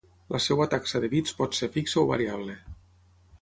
La seva taxa de bits pot ser fixa o variable.